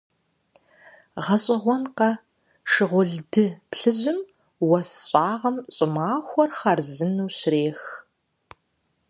ГъэщӀэгъуэнкъэ, шыгъулды плъыжьым уэс щӀагъым щӀымахуэр хъарзынэу щрех.